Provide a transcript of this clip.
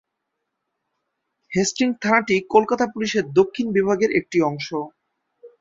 Hastings থানাটি কলকাতা পুলিশের দক্ষিণ বিভাগের একটি অংশ।